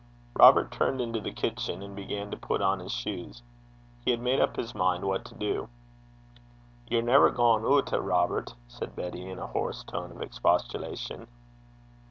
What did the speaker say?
Robert turned into the kitchen, and began to put on his shoes. He had made up his mind what to do. 'Ye're never gaein' oot, Robert?' said Betty, in a hoarse tone of expostulation.